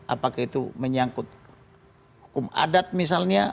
apakah itu menyangkut hukum adat misalnya